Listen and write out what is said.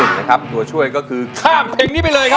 นะครับตัวช่วยก็คือข้ามเพลงนี้ไปเลยครับ